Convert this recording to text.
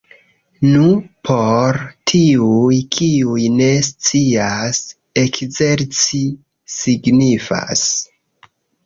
Nu, por tiuj, kiuj ne scias, ekzerci signifas--